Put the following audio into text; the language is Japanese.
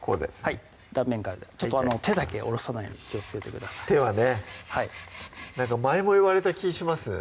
はい断面からで手だけおろさないように気をつけてください手はねはい前も言われた気しますね